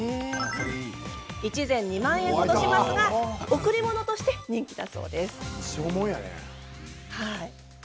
１膳２万円程しますが贈り物として人気だそうです。